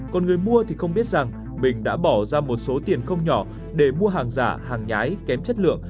còn người mua thì không biết rằng mình đã bỏ ra một số tiền không nhỏ để mua hàng giả hàng nhái kém chất lượng